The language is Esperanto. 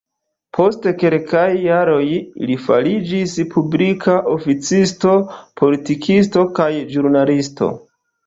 Post kelkaj jaroj, li fariĝis publika oficisto, politikisto kaj ĵurnalisto.